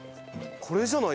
これじゃない？